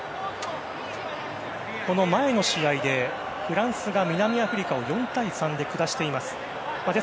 この前の試合でフランスが南アフリカを４対３で下しています。